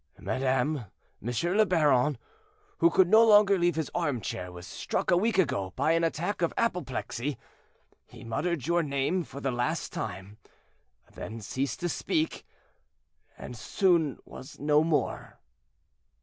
"Madame, M. le Baron, who could no longer leave his armchair, was struck a week ago by an attack of apoplexy. He muttered your name for the last time, then ceased to speak, and soon was no more."